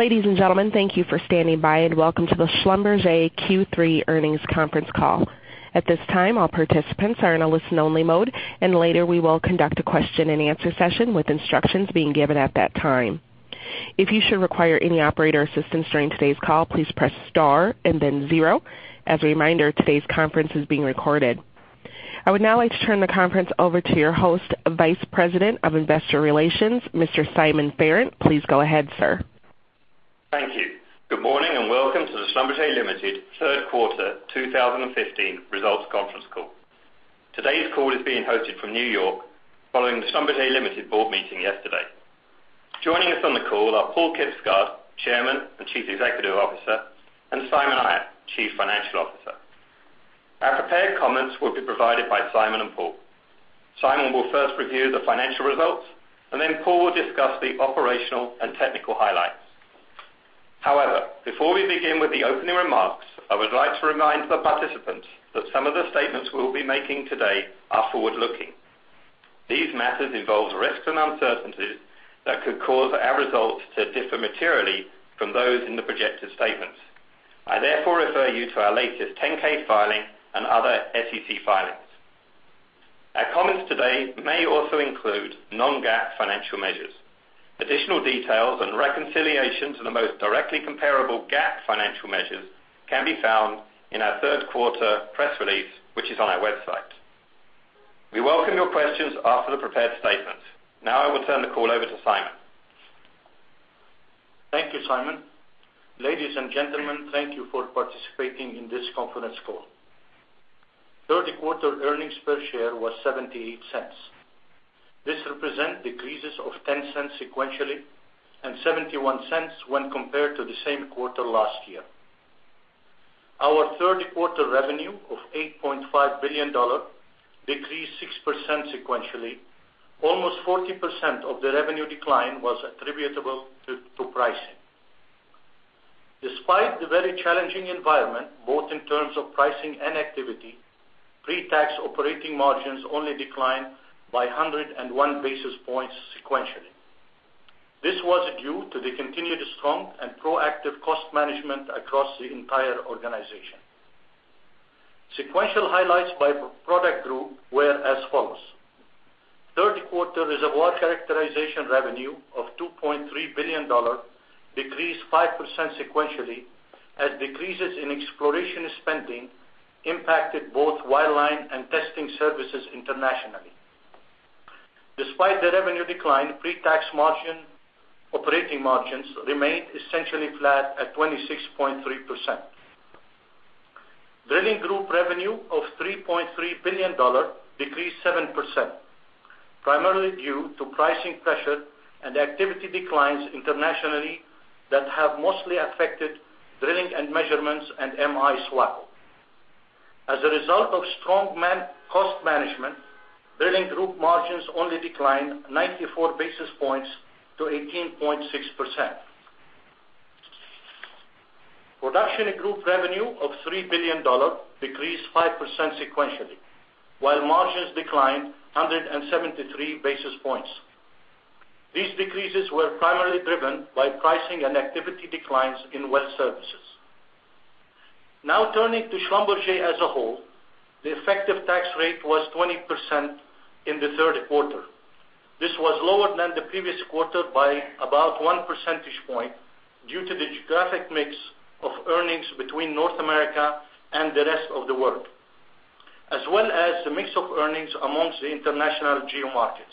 Ladies and gentlemen, thank you for standing by, and welcome to the Schlumberger Q3 earnings conference call. At this time, all participants are in a listen-only mode. Later we will conduct a question and answer session with instructions being given at that time. If you should require any operator assistance during today's call, please press star and then zero. As a reminder, today's conference is being recorded. I would now like to turn the conference over to your host, Vice President of Investor Relations, Mr. Simon Farrant. Please go ahead, sir. Thank you. Good morning, and welcome to the Schlumberger Limited Third Quarter 2015 Results Conference Call. Today's call is being hosted from New York following the Schlumberger Limited board meeting yesterday. Joining us on the call are Paal Kibsgaard, Chairman and Chief Executive Officer, and Simon Ayat, Chief Financial Officer. Our prepared comments will be provided by Simon and Paal. Simon will first review the financial results. Paal will discuss the operational and technical highlights. Before we begin with the opening remarks, I would like to remind the participants that some of the statements we'll be making today are forward-looking. These matters involve risks and uncertainties that could cause our results to differ materially from those in the projected statements. I therefore refer you to our latest 10-K filing and other SEC filings. Our comments today may also include non-GAAP financial measures. Additional details and reconciliation to the most directly comparable GAAP financial measures can be found in our third quarter press release, which is on our website. We welcome your questions after the prepared statement. I will turn the call over to Simon. Thank you, Simon. Ladies and gentlemen, thank you for participating in this conference call. Third quarter earnings per share was $0.78. This represent decreases of $0.10 sequentially and $0.71 when compared to the same quarter last year. Our third quarter revenue of $8.5 billion decreased 6% sequentially. Almost 40% of the revenue decline was attributable to pricing. Despite the very challenging environment, both in terms of pricing and activity, pre-tax operating margins only declined by 101 basis points sequentially. This was due to the continued strong and proactive cost management across the entire organization. Sequential highlights by product group were as follows: Third quarter reservoir characterization revenue of $2.3 billion decreased 5% sequentially as decreases in exploration spending impacted both wireline and testing services internationally. Despite the revenue decline, pre-tax operating margins remained essentially flat at 26.3%. Drilling group revenue of $3.3 billion decreased 7%, primarily due to pricing pressure and activity declines internationally that have mostly affected drilling and measurements and M-I SWACO. As a result of strong cost management, drilling group margins only declined 94 basis points to 18.6%. Production group revenue of $3 billion decreased 5% sequentially, while margins declined 173 basis points. These decreases were primarily driven by pricing and activity declines in well services. Turning to Schlumberger as a whole, the effective tax rate was 20% in the third quarter. This was lower than the previous quarter by about one percentage point due to the geographic mix of earnings between North America and the rest of the world, as well as the mix of earnings amongst the international geo markets.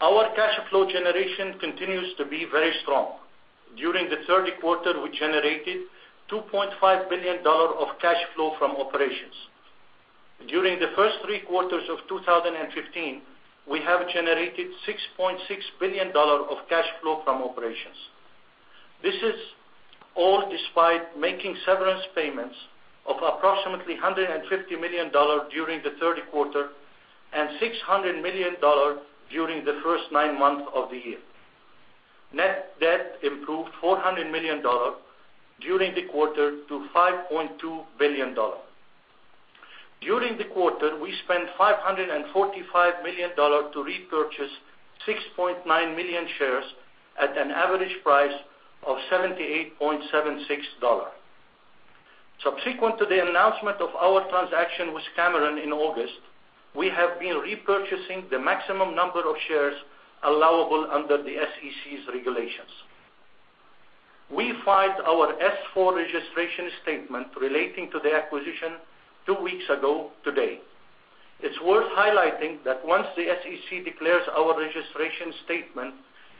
Our cash flow generation continues to be very strong. During the third quarter, we generated $2.5 billion of cash flow from operations. During the first three quarters of 2015, we have generated $6.6 billion of cash flow from operations. This is all despite making severance payments of approximately $150 million during the third quarter and $600 million during the first nine months of the year. Net debt improved $400 million during the quarter to $5.2 billion. During the quarter, we spent $545 million to repurchase 6.9 million shares at an average price of $78.76. Subsequent to the announcement of our transaction with Cameron in August, we have been repurchasing the maximum number of shares allowable under the SEC's regulations. We filed our S-4 registration statement relating to the acquisition two weeks ago today. It's worth highlighting that once the SEC declares our registration statement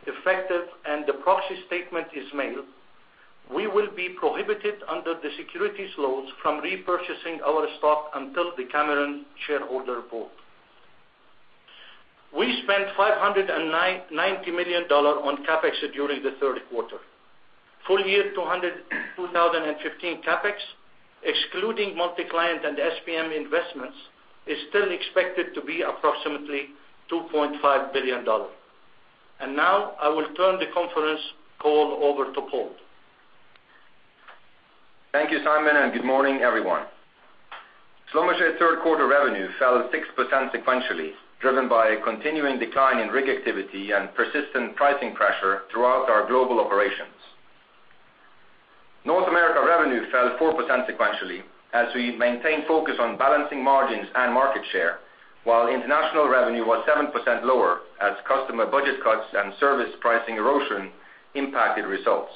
effective and the proxy statement is mailed, we will be prohibited under the securities laws from repurchasing our stock until the Cameron shareholder vote. We spent $590 million on CapEx during the third quarter. Full year 2015 CapEx, excluding multi-client and SPM investments, is still expected to be approximately $2.5 billion. Now I will turn the conference call over to Paal. Thank you, Simon, good morning, everyone. Schlumberger third quarter revenue fell 6% sequentially, driven by a continuing decline in rig activity and persistent pricing pressure throughout our global operations. North America revenue fell 4% sequentially as we maintained focus on balancing margins and market share, while international revenue was 7% lower as customer budget cuts and service pricing erosion impacted results.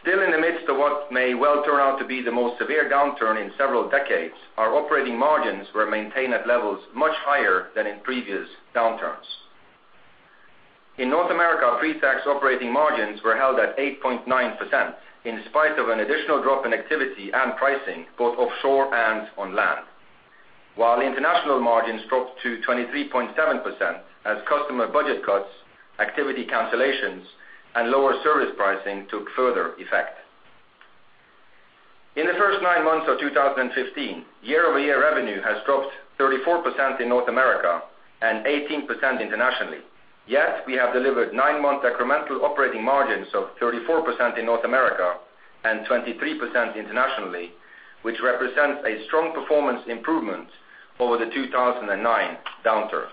Still in the midst of what may well turn out to be the most severe downturn in several decades, our operating margins were maintained at levels much higher than in previous downturns. In North America, pre-tax operating margins were held at 8.9%, in spite of an additional drop in activity and pricing, both offshore and on land. While international margins dropped to 23.7% as customer budget cuts, activity cancellations, and lower service pricing took further effect. In the first nine months of 2015, year-over-year revenue has dropped 34% in North America and 18% internationally. We have delivered nine-month incremental operating margins of 34% in North America and 23% internationally, which represents a strong performance improvement over the 2009 downturn.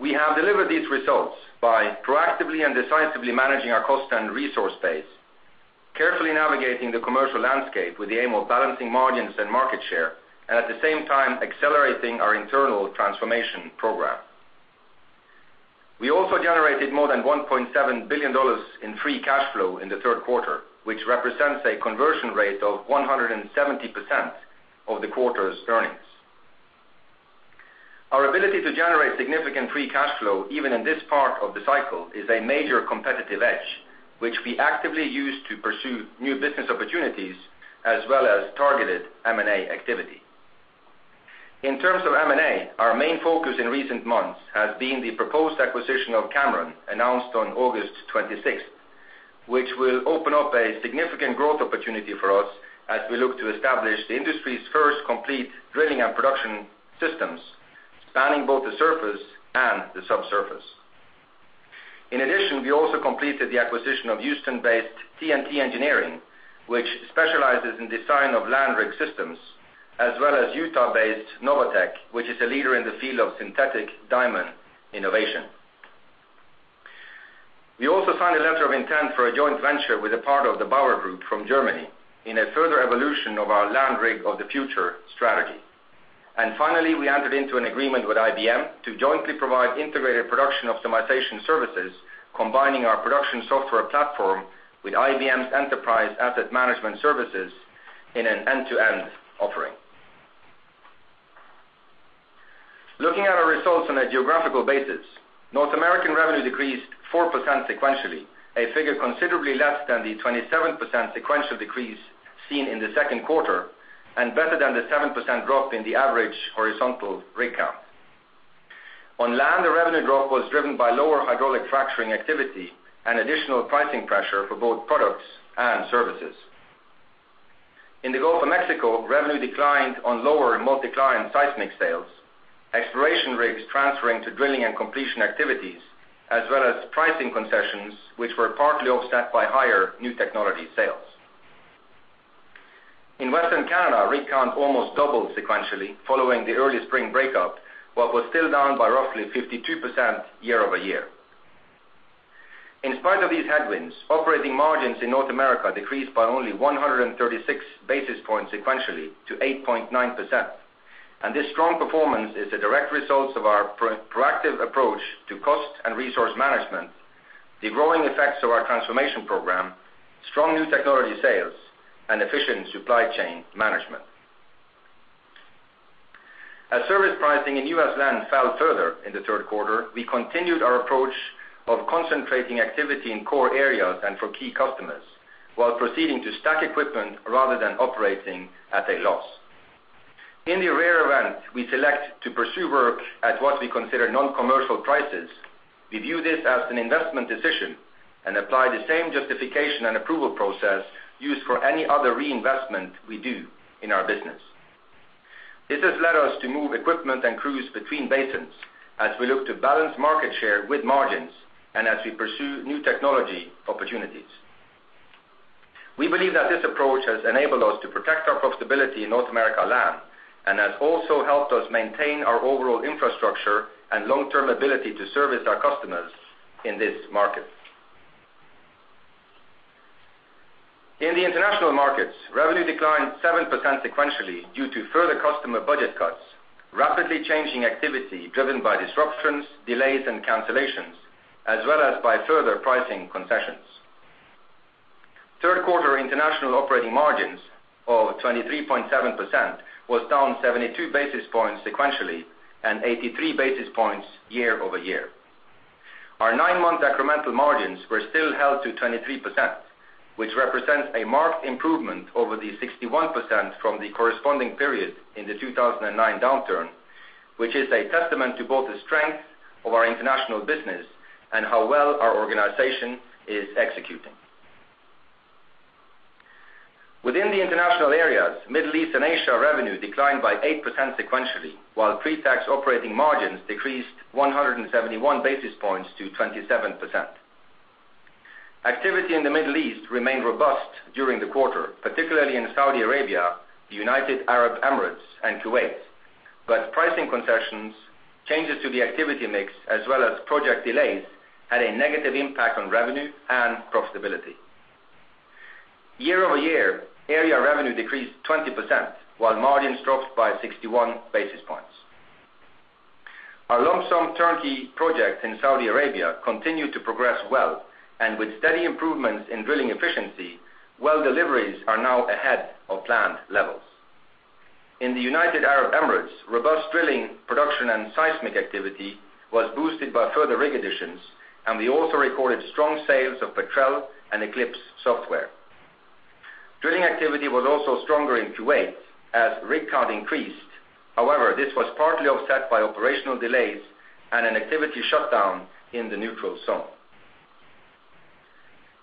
We have delivered these results by proactively and decisively managing our cost and resource base, carefully navigating the commercial landscape with the aim of balancing margins and market share, and at the same time accelerating our internal transformation program. We also generated more than $1.7 billion in free cash flow in the third quarter, which represents a conversion rate of 170% of the quarter's earnings. Our ability to generate significant free cash flow, even in this part of the cycle, is a major competitive edge, which we actively use to pursue new business opportunities, as well as targeted M&A activity. In terms of M&A, our main focus in recent months has been the proposed acquisition of Cameron, announced on August 26th, which will open up a significant growth opportunity for us as we look to establish the industry's first complete drilling and production systems, spanning both the surface and the subsurface. In addition, we also completed the acquisition of Houston-based T&T Engineering, which specializes in design of land rig systems, as well as Utah-based Novatek, which is a leader in the field of synthetic diamond innovation. We also signed a letter of intent for a joint venture with a part of the Bauer Group from Germany in a further evolution of our Land Rig of the Future strategy. Finally, we entered into an agreement with IBM to jointly provide integrated production optimization services, combining our production software platform with IBM's enterprise asset management services in an end-to-end offering. Looking at our results on a geographical basis, North American revenue decreased 4% sequentially, a figure considerably less than the 27% sequential decrease seen in the second quarter, and better than the 7% drop in the average horizontal rig count. On land, the revenue drop was driven by lower hydraulic fracturing activity and additional pricing pressure for both products and services. In the Gulf of Mexico, revenue declined on lower multi-client seismic sales, exploration rigs transferring to drilling and completion activities, as well as pricing concessions, which were partly offset by higher new technology sales. In Western Canada, rig count almost doubled sequentially following the early spring breakup, but was still down by roughly 52% year-over-year. In spite of these headwinds, operating margins in North America decreased by only 136 basis points sequentially to 8.9%. This strong performance is a direct result of our proactive approach to cost and resource management, the growing effects of our transformation program, strong new technology sales, and efficient supply chain management. As service pricing in U.S. land fell further in the third quarter, we continued our approach of concentrating activity in core areas and for key customers while proceeding to stack equipment rather than operating at a loss. In the rare event we select to pursue work at what we consider non-commercial prices, we view this as an investment decision and apply the same justification and approval process used for any other reinvestment we do in our business. This has led us to move equipment and crews between basins as we look to balance market share with margins and as we pursue new technology opportunities. We believe that this approach has enabled us to protect our profitability in North America land and has also helped us maintain our overall infrastructure and long-term ability to service our customers in this market. In the international markets, revenue declined 7% sequentially due to further customer budget cuts, rapidly changing activity driven by disruptions, delays, and cancellations, as well as by further pricing concessions. Third quarter international operating margins of 23.7% was down 72 basis points sequentially and 83 basis points year-over-year. Our nine-month incremental margins were still held to 23%, which represents a marked improvement over the 61% from the corresponding period in the 2009 downturn, which is a testament to both the strength of our international business and how well our organization is executing. Within the international areas, Middle East and Asia revenue declined by 8% sequentially, while pre-tax operating margins decreased 171 basis points to 27%. Activity in the Middle East remained robust during the quarter, particularly in Saudi Arabia, the United Arab Emirates, and Kuwait. Pricing concessions, changes to the activity mix, as well as project delays, had a negative impact on revenue and profitability. Year-over-year, area revenue decreased 20%, while margins dropped by 61 basis points. Our lump sum turnkey project in Saudi Arabia continued to progress well, and with steady improvements in drilling efficiency, well deliveries are now ahead of planned levels. In the United Arab Emirates, robust drilling production and seismic activity was boosted by further rig additions, and we also recorded strong sales of Petrel and ECLIPSE software. Drilling activity was also stronger in Kuwait as rig count increased. However, this was partly offset by operational delays and an activity shutdown in the neutral zone.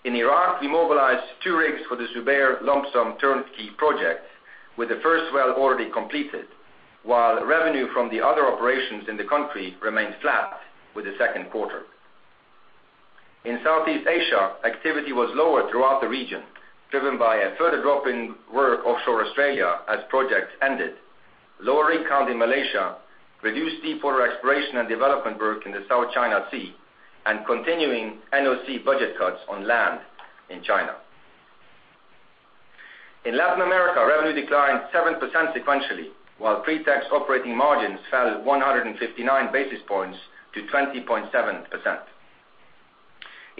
In Iraq, we mobilized two rigs for the Zubair lump sum turnkey project, with the first well already completed, while revenue from the other operations in the country remained flat with the second quarter. In Southeast Asia, activity was lower throughout the region, driven by a further drop in work offshore Australia as projects ended. Lower rig count in Malaysia reduced deepwater exploration and development work in the South China Sea and continuing NOC budget cuts on land in China. In Latin America, revenue declined 7% sequentially, while pre-tax operating margins fell 159 basis points to 20.7%.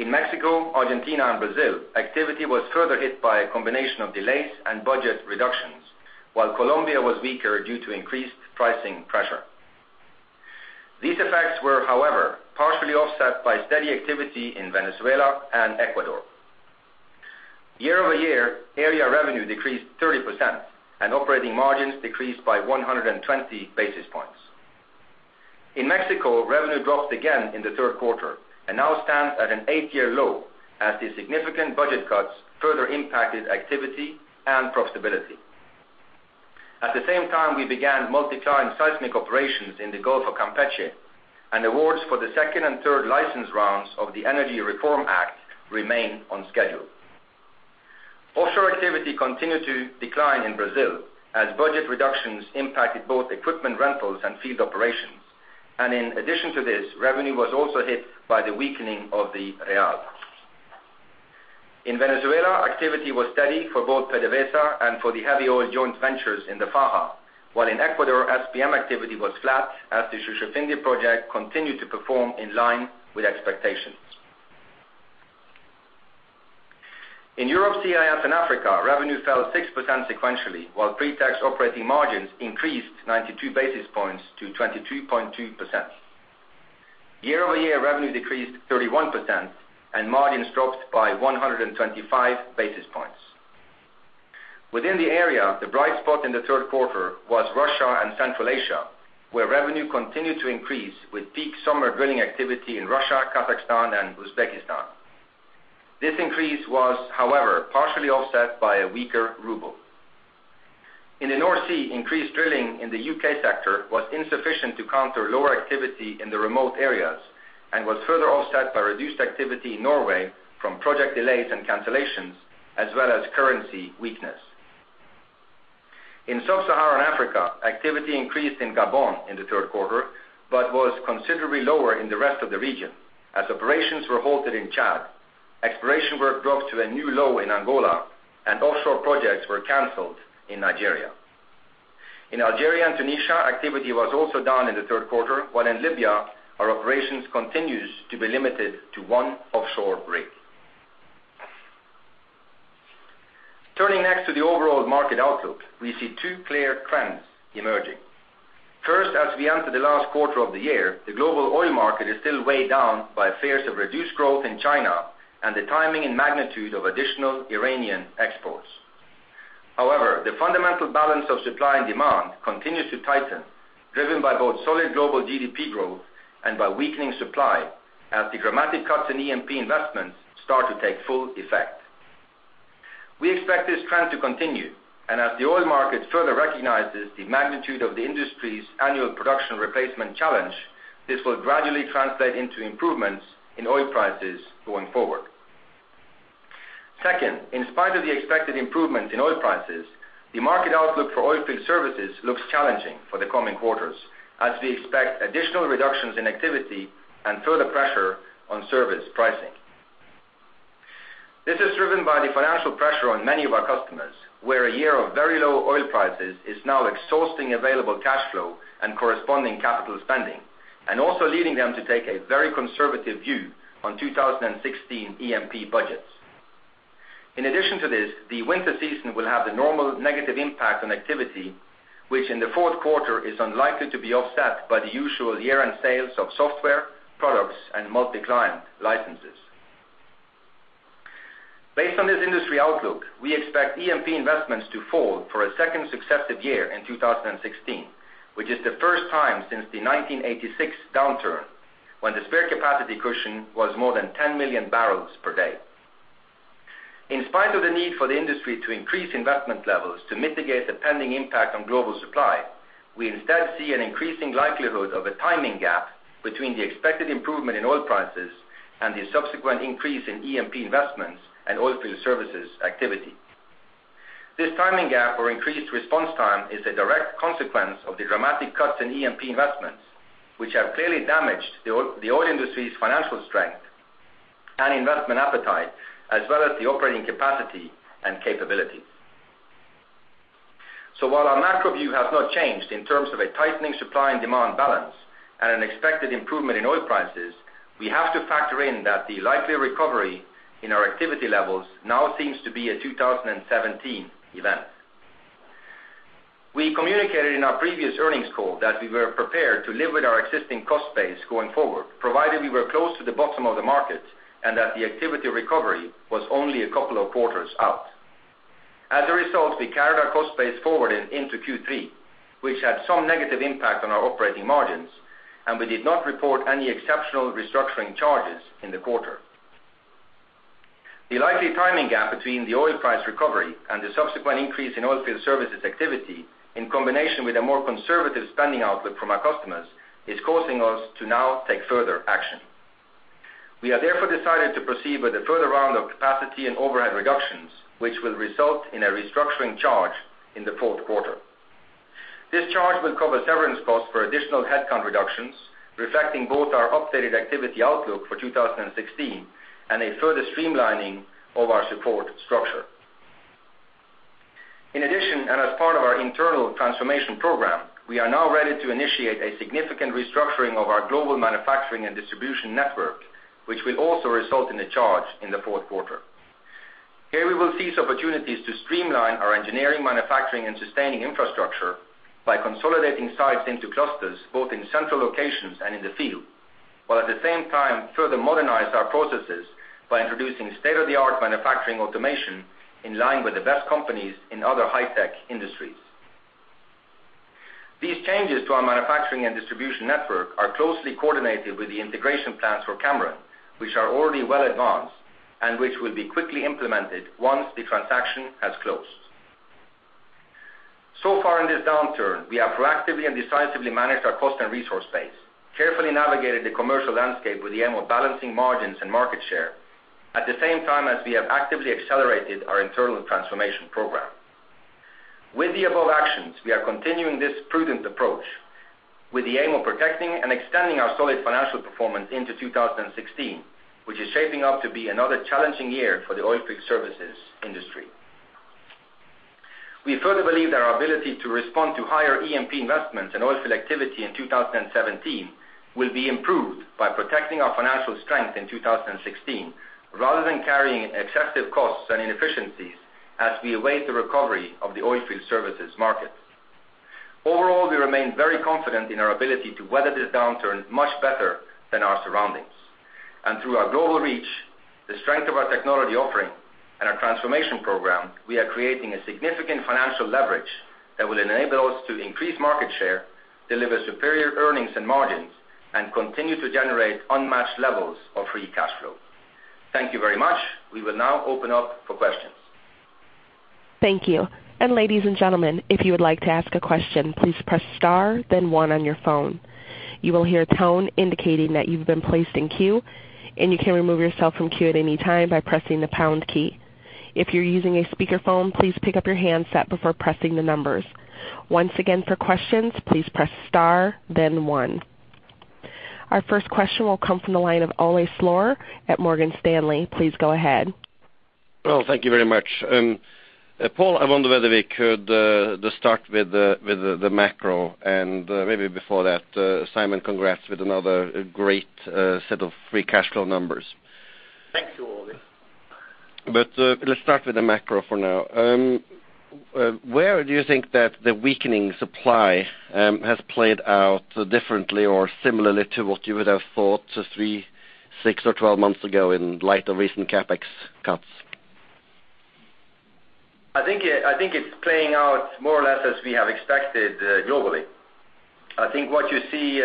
In Mexico, Argentina, and Brazil, activity was further hit by a combination of delays and budget reductions, while Colombia was weaker due to increased pricing pressure. These effects were, however, partially offset by steady activity in Venezuela and Ecuador. Year-over-year, area revenue decreased 30% and operating margins decreased by 120 basis points. In Mexico, revenue dropped again in the third quarter and now stands at an eight-year low as the significant budget cuts further impacted activity and profitability. At the same time, we began multi-client seismic operations in the Gulf of Campeche, and awards for the second and third license rounds of the Energy Reform Act remain on schedule. Offshore activity continued to decline in Brazil as budget reductions impacted both equipment rentals and field operations. In addition to this, revenue was also hit by the weakening of the real. In Venezuela, activity was steady for both PDVSA and for the heavy oil joint ventures in the Faja, while in Ecuador, SPM activity was flat as the Shushufindi project continued to perform in line with expectations. In Europe, CIS, and Africa, revenue fell 6% sequentially, while pre-tax operating margins increased 92 basis points to 22.2%. Year-over-year revenue decreased 31% and margins dropped by 125 basis points. Within the area, the bright spot in the third quarter was Russia and Central Asia, where revenue continued to increase with peak summer drilling activity in Russia, Kazakhstan, and Uzbekistan. This increase was, however, partially offset by a weaker ruble. In the North Sea, increased drilling in the U.K. sector was insufficient to counter lower activity in the remote areas and was further offset by reduced activity in Norway from project delays and cancellations, as well as currency weakness. In Sub-Saharan Africa, activity increased in Gabon in the third quarter but was considerably lower in the rest of the region as operations were halted in Chad, exploration work dropped to a new low in Angola, and offshore projects were canceled in Nigeria. In Algeria and Tunisia, activity was also down in the third quarter, while in Libya, our operations continues to be limited to one offshore rig. Turning next to the overall market outlook, we see two clear trends emerging. As we enter the last quarter of the year, the global oil market is still weighed down by fears of reduced growth in China and the timing and magnitude of additional Iranian exports. However, the fundamental balance of supply and demand continues to tighten, driven by both solid global GDP growth and by weakening supply as the dramatic cuts in E&P investments start to take full effect. We expect this trend to continue, and as the oil market further recognizes the magnitude of the industry's annual production replacement challenge, this will gradually translate into improvements in oil prices going forward. In spite of the expected improvement in oil prices, the market outlook for oilfield services looks challenging for the coming quarters as we expect additional reductions in activity and further pressure on service pricing. This is driven by the financial pressure on many of our customers, where a year of very low oil prices is now exhausting available cash flow and corresponding capital spending, and also leading them to take a very conservative view on 2016 E&P budgets. In addition to this, the winter season will have the normal negative impact on activity, which in the fourth quarter is unlikely to be offset by the usual year-end sales of software, products, and multi-client licenses. Based on this industry outlook, we expect E&P investments to fall for a second successive year in 2016, which is the first time since the 1986 downturn when the spare capacity cushion was more than 10 million barrels per day. In spite of the need for the industry to increase investment levels to mitigate the pending impact on global supply, we instead see an increasing likelihood of a timing gap between the expected improvement in oil prices and the subsequent increase in E&P investments and oilfield services activity. This timing gap or increased response time is a direct consequence of the dramatic cuts in E&P investments, which have clearly damaged the oil industry's financial strength and investment appetite, as well as the operating capacity and capability. While our macro view has not changed in terms of a tightening supply and demand balance and an expected improvement in oil prices, we have to factor in that the likely recovery in our activity levels now seems to be a 2017 event. We communicated in our previous earnings call that we were prepared to live with our existing cost base going forward, provided we were close to the bottom of the market and that the activity recovery was only a couple of quarters out. As a result, we carried our cost base forward into Q3, which had some negative impact on our operating margins, and we did not report any exceptional restructuring charges in the quarter. The likely timing gap between the oil price recovery and the subsequent increase in oilfield services activity, in combination with a more conservative spending output from our customers, is causing us to now take further action. We have therefore decided to proceed with a further round of capacity and overhead reductions, which will result in a restructuring charge in the fourth quarter. This charge will cover severance costs for additional headcount reductions, reflecting both our updated activity outlook for 2016 and a further streamlining of our support structure. In addition, as part of our internal transformation program, we are now ready to initiate a significant restructuring of our global manufacturing and distribution network, which will also result in a charge in the fourth quarter. Here we will seize opportunities to streamline our engineering, manufacturing, and sustaining infrastructure by consolidating sites into clusters, both in central locations and in the field. While at the same time further modernize our processes by introducing state-of-the-art manufacturing automation in line with the best companies in other high-tech industries. These changes to our manufacturing and distribution network are closely coordinated with the integration plans for Cameron, which are already well advanced and which will be quickly implemented once the transaction has closed. Far in this downturn, we have proactively and decisively managed our cost and resource base, carefully navigated the commercial landscape with the aim of balancing margins and market share at the same time as we have actively accelerated our internal transformation program. With the above actions, we are continuing this prudent approach with the aim of protecting and extending our solid financial performance into 2016, which is shaping up to be another challenging year for the oilfield services industry. We further believe that our ability to respond to higher E&P investments and oilfield activity in 2017 will be improved by protecting our financial strength in 2016, rather than carrying excessive costs and inefficiencies as we await the recovery of the oilfield services market. Overall, we remain very confident in our ability to weather this downturn much better than our surroundings. Through our global reach, the strength of our technology offering and our transformation program, we are creating a significant financial leverage that will enable us to increase market share, deliver superior earnings and margins, and continue to generate unmatched levels of free cash flow. Thank you very much. We will now open up for questions. Thank you. Ladies and gentlemen, if you would like to ask a question, please press star then one on your phone. You will hear a tone indicating that you've been placed in queue, and you can remove yourself from queue at any time by pressing the pound key. If you're using a speakerphone, please pick up your handset before pressing the numbers. Once again, for questions, please press star then one. Our first question will come from the line of Ole Slorer at Morgan Stanley. Please go ahead. Well, thank you very much. Paal, I wonder whether we could just start with the macro and maybe before that, Simon, congrats with another great set of free cash flow numbers. Thank you, Ole. Let's start with the macro for now. Where do you think that the weakening supply has played out differently or similarly to what you would have thought three, six, or 12 months ago in light of recent CapEx cuts? I think it's playing out more or less as we have expected globally. I think what you see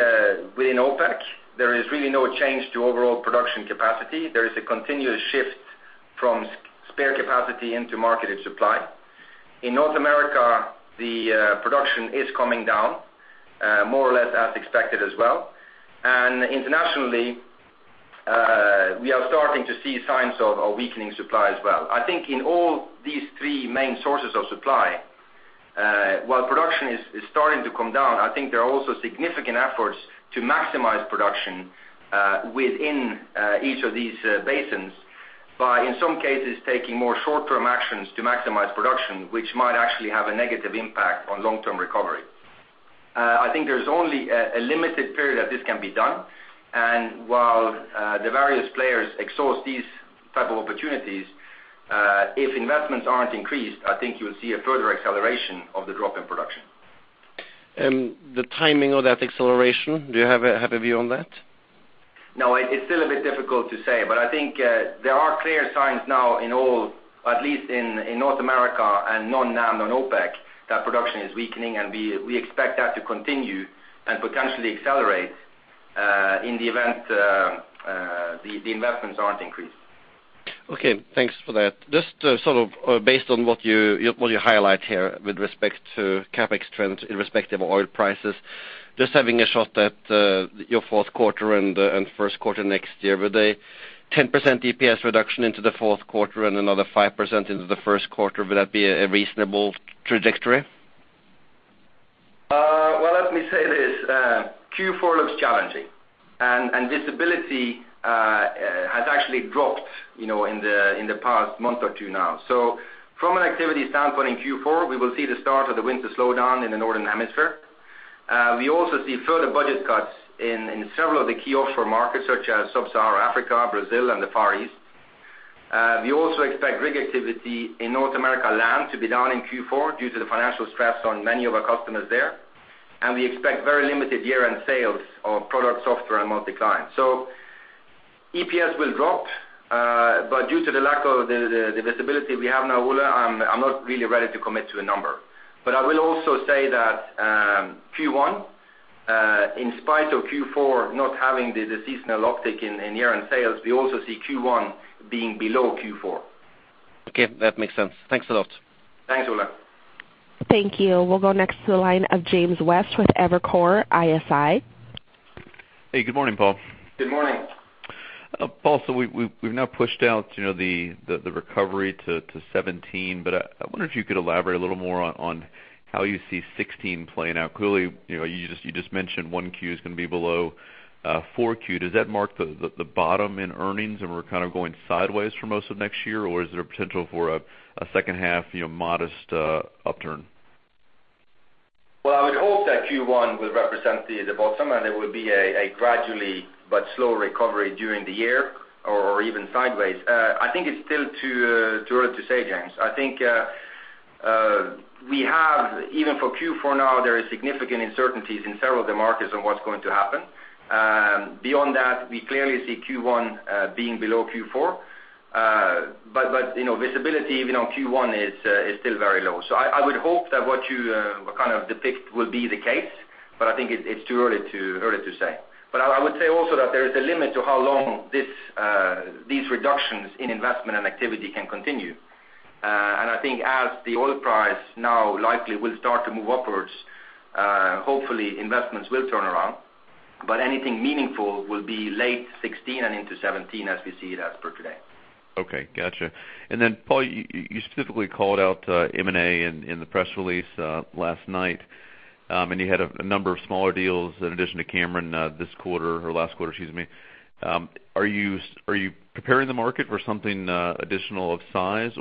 within OPEC, there is really no change to overall production capacity. There is a continuous shift from spare capacity into marketed supply. In North America, the production is coming down more or less as expected as well. Internationally, we are starting to see signs of a weakening supply as well. I think in all these three main sources of supply, while production is starting to come down, I think there are also significant efforts to maximize production within each of these basins by, in some cases, taking more short-term actions to maximize production, which might actually have a negative impact on long-term recovery. I think there's only a limited period that this can be done, and while the various players exhaust these type of opportunities, if investments aren't increased, I think you will see a further acceleration of the drop in production. The timing of that acceleration, do you have a view on that? It's still a bit difficult to say, but I think there are clear signs now in all, at least in North America and non-OPEC, that production is weakening, and we expect that to continue and potentially accelerate in the event the investments aren't increased. Okay, thanks for that. Just based on what you highlight here with respect to CapEx trends irrespective of oil prices, just having a shot at your fourth quarter and first quarter next year, with a 10% EPS reduction into the fourth quarter and another 5% into the first quarter. Will that be a reasonable trajectory? Well, let me say this. Q4 looks challenging, and visibility has actually dropped in the past month or two now. From an activity standpoint in Q4, we will see the start of the winter slowdown in the Northern Hemisphere. We also see further budget cuts in several of the key offshore markets, such as Sub-Saharan Africa, Brazil, and the Far East. We also expect rig activity in North America land to be down in Q4 due to the financial stress on many of our customers there. We expect very limited year-end sales of product software and multi-client. EPS will drop. Due to the lack of the visibility we have now, Ole, I'm not really ready to commit to a number. I will also say that Q1, in spite of Q4 not having the seasonal uptick in year-end sales, we also see Q1 being below Q4. Okay. That makes sense. Thanks a lot. Thanks, Ole. Thank you. We'll go next to the line of James West with Evercore ISI. Hey, good morning, Paal. Good morning. Paal, we've now pushed out the recovery to 2017. I wonder if you could elaborate a little more on how you see 2016 playing out. Clearly, you just mentioned 1Q is going to be below 4Q. Does that mark the bottom in earnings, and we're kind of going sideways for most of next year? Is there a potential for a second half modest upturn? Well, I would hope that Q1 will represent the bottom, and there will be a gradually but slow recovery during the year or even sideways. I think it's still too early to say, James. I think we have, even for Q4 now, there is significant uncertainties in several of the markets on what's going to happen. Beyond that, we clearly see Q1 being below Q4. Visibility even on Q1 is still very low. I would hope that what you kind of depict will be the case, I think it's too early to say. I would say also that there is a limit to how long these reductions in investment and activity can continue. I think as the oil price now likely will start to move upwards, hopefully investments will turn around. Anything meaningful will be late 2016 and into 2017 as we see it as per today. Okay, got you. Then Paal, you specifically called out M&A in the press release last night. You had a number of smaller deals in addition to Cameron this quarter or last quarter, excuse me. Are you preparing the market for something additional of size,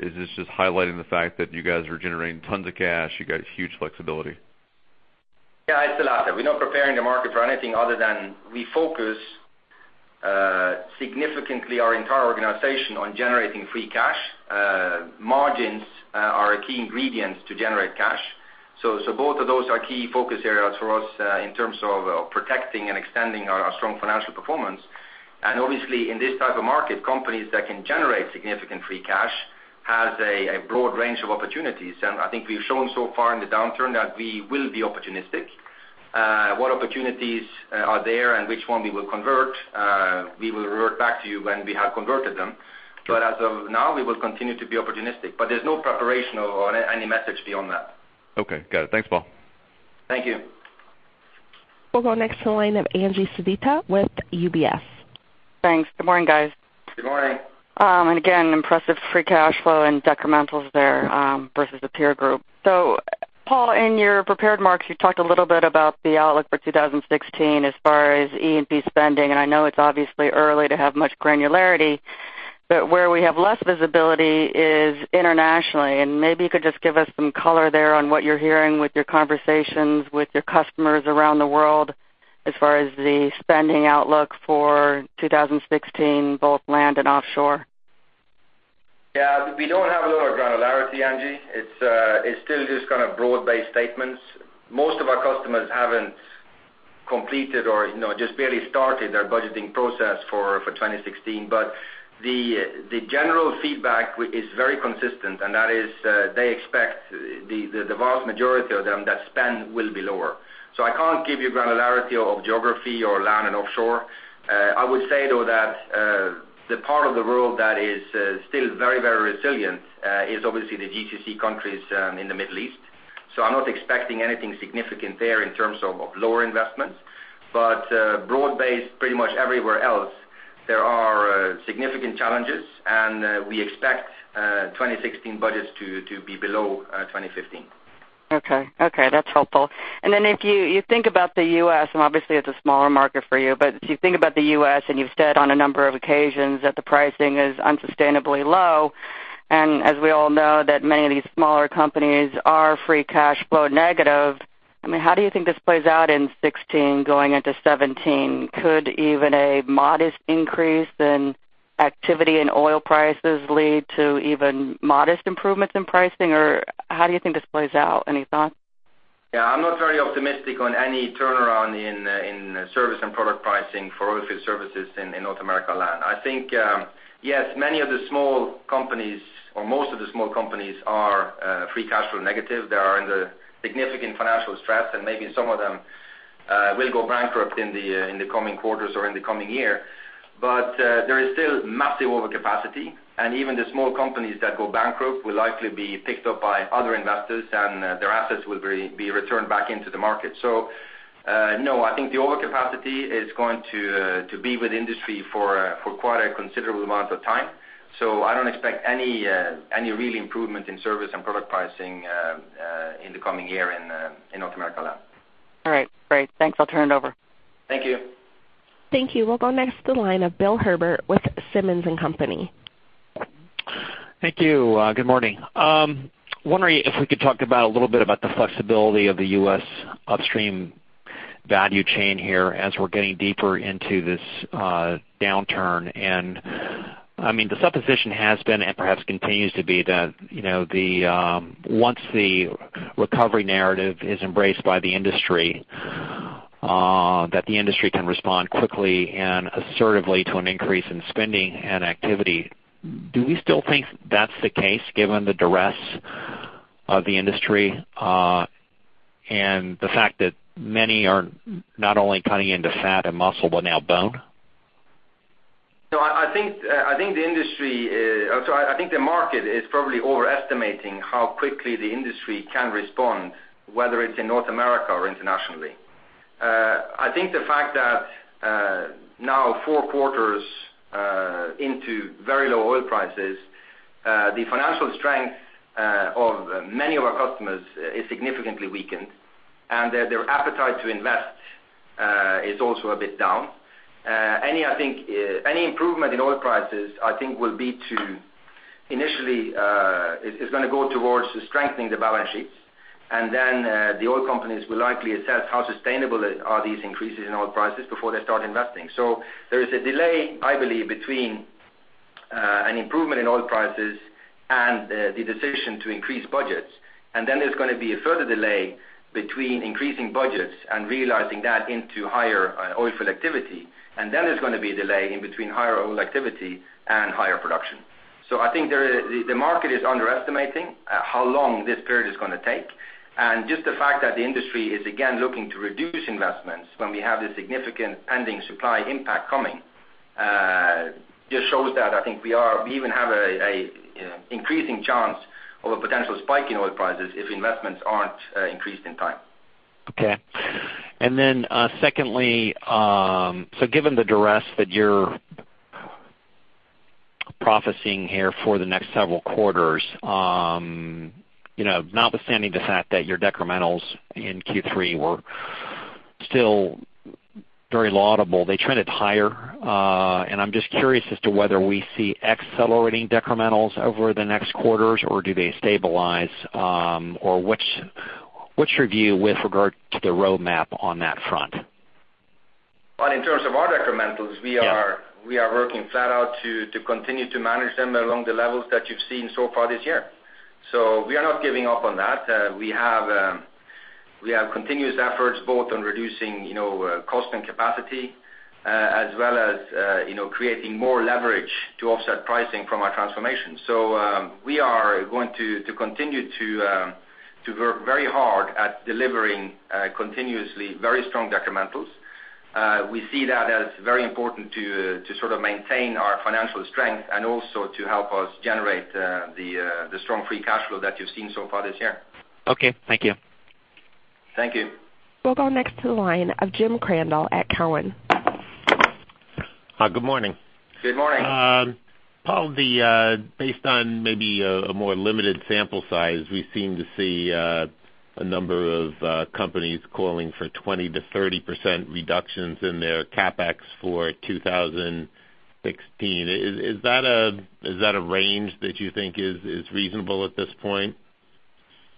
is this just highlighting the fact that you guys are generating tons of cash, you got huge flexibility? Yeah, it's the latter. We're not preparing the market for anything other than refocus significantly our entire organization on generating free cash. Margins are a key ingredient to generate cash. Both of those are key focus areas for us in terms of protecting and extending our strong financial performance. Obviously, in this type of market, companies that can generate significant free cash has a broad range of opportunities. I think we've shown so far in the downturn that we will be opportunistic. What opportunities are there and which one we will convert, we will revert back to you when we have converted them. As of now, we will continue to be opportunistic. There's no preparation or any message beyond that. Okay, got it. Thanks, Paal. Thank you. We'll go next to the line of Angie Sedita with UBS. Thanks. Good morning, guys. Good morning. Again, impressive free cash flow and decrementals there versus the peer group. Paal, in your prepared remarks, you talked a little bit about the outlook for 2016 as far as E&P spending, and I know it's obviously early to have much granularity. Where we have less visibility is internationally, and maybe you could just give us some color there on what you're hearing with your conversations with your customers around the world as far as the spending outlook for 2016, both land and offshore. Yeah. We don't have a lot of granularity, Angie. It's still just kind of broad-based statements. Most of our customers haven't completed or just barely started their budgeting process for 2016. The general feedback is very consistent, and that is, they expect, the vast majority of them, that spend will be lower. I can't give you granularity of geography or land and offshore. I would say, though, that the part of the world that is still very resilient is obviously the GCC countries in the Middle East. I'm not expecting anything significant there in terms of lower investments. Broad-based pretty much everywhere else, there are significant challenges, and we expect 2016 budgets to be below 2015. Okay. That's helpful. If you think about the U.S., obviously it's a smaller market for you, if you think about the U.S. and you've said on a number of occasions that the pricing is unsustainably low, as we all know that many of these smaller companies are free cash flow negative. I mean, how do you think this plays out in 2016 going into 2017? Could even a modest increase in activity in oil prices lead to even modest improvements in pricing? How do you think this plays out? Any thoughts? Yeah, I'm not very optimistic on any turnaround in service and product pricing for oil field services in North America land. I think, yes, many of the small companies or most of the small companies are free cash flow negative. They are under significant financial stress, maybe some of them will go bankrupt in the coming quarters or in the coming year. There is still massive overcapacity, even the small companies that go bankrupt will likely be picked up by other investors, and their assets will be returned back into the market. No, I think the overcapacity is going to be with the industry for quite a considerable amount of time. I don't expect any real improvement in service and product pricing in the coming year in North America land. All right, great. Thanks, I'll turn it over. Thank you. Thank you. We'll go next to the line of Bill Herbert with Simmons & Company. Thank you. Good morning. Wondering if we could talk about a little bit about the flexibility of the U.S. upstream value chain here as we're getting deeper into this downturn. The supposition has been, and perhaps continues to be that, once the recovery narrative is embraced by the industry, that the industry can respond quickly and assertively to an increase in spending and activity. Do we still think that's the case, given the duress of the industry, and the fact that many are not only cutting into fat and muscle, but now bone? I think the market is probably overestimating how quickly the industry can respond, whether it's in North America or internationally. I think the fact that now four quarters into very low oil prices, the financial strength of many of our customers is significantly weakened, and their appetite to invest is also a bit down. I think any improvement in oil prices, I think initially is going to go towards strengthening the balance sheets, and the oil companies will likely assess how sustainable are these increases in oil prices before they start investing. There is a delay, I believe, between an improvement in oil prices and the decision to increase budgets. There's going to be a further delay between increasing budgets and realizing that into higher oil field activity. There's going to be a delay in between higher oil activity and higher production. I think the market is underestimating how long this period is going to take. Just the fact that the industry is again looking to reduce investments when we have this significant pending supply impact coming, just shows that I think we even have an increasing chance of a potential spike in oil prices if investments aren't increased in time. Okay. Secondly, given the duress that you're prophesying here for the next several quarters, notwithstanding the fact that your decrementals in Q3 were still very laudable, they trended higher. I'm just curious as to whether we see accelerating decrementals over the next quarters or do they stabilize? What's your view with regard to the roadmap on that front? Well, in terms of our decrementals- Yeah We are working flat out to continue to manage them along the levels that you've seen so far this year. We are not giving up on that. We have continuous efforts both on reducing cost and capacity, as well as creating more leverage to offset pricing from our transformation. We are going to continue to work very hard at delivering continuously very strong decrementals. We see that as very important to sort of maintain our financial strength and also to help us generate the strong free cash flow that you've seen so far this year. Okay, thank you. Thank you. We'll go next to the line of Jim Crandell at Cowen. Hi, good morning. Good morning. Paal, based on maybe a more limited sample size, we seem to see a number of companies calling for 20%-30% reductions in their CapEx for 2016. Is that a range that you think is reasonable at this point?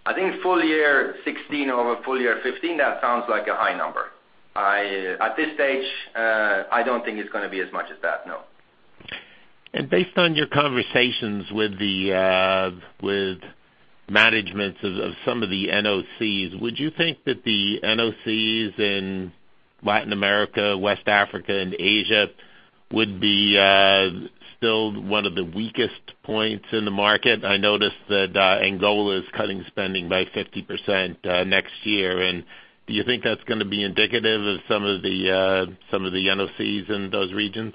I think full year 2016 over full year 2015, that sounds like a high number. At this stage, I don't think it's going to be as much as that, no. Based on your conversations with managements of some of the NOCs, would you think that the NOCs in Latin America, West Africa, and Asia would be still one of the weakest points in the market? I noticed that Angola is cutting spending by 50% next year. Do you think that's going to be indicative of some of the NOCs in those regions?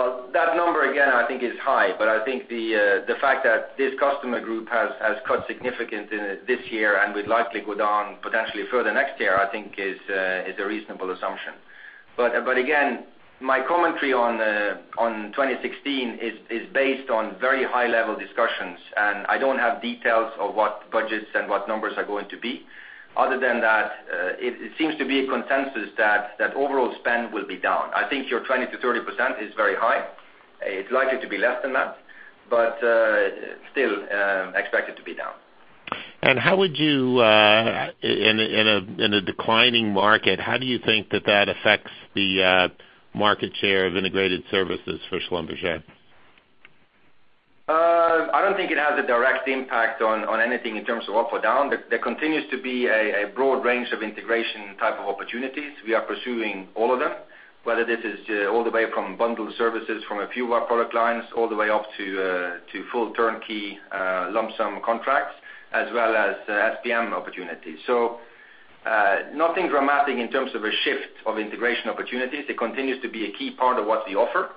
Well, that number again, I think is high. I think the fact that this customer group has cut significant this year and would likely go down potentially further next year, I think is a reasonable assumption. Again, my commentary on 2016 is based on very high-level discussions, and I don't have details of what budgets and what numbers are going to be. Other than that, it seems to be a consensus that overall spend will be down. I think your 20%-30% is very high. It's likely to be less than that, but still expect it to be down. In a declining market, how do you think that that affects the market share of integrated services for Schlumberger? I don't think it has a direct impact on anything in terms of up or down. There continues to be a broad range of integration type of opportunities. We are pursuing all of them. Whether this is all the way from bundled services from a few of our product lines, all the way up to full turnkey lump sum contracts, as well as SPM opportunities. Nothing dramatic in terms of a shift of integration opportunities. It continues to be a key part of what's the offer.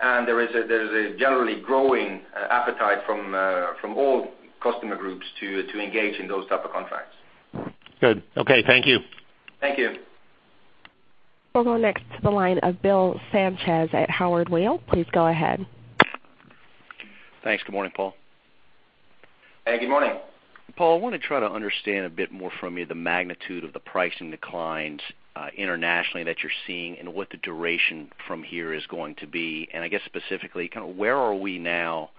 There is a generally growing appetite from all customer groups to engage in those type of contracts. Good. Okay. Thank you. Thank you. We'll go next to the line of Bill Sanchez at Howard Weil. Please go ahead. Thanks. Good morning, Paal. Hey, good morning. Paal, I want to try to understand a bit more from you the magnitude of the pricing declines internationally that you're seeing and what the duration from here is going to be. I guess specifically, where are we now,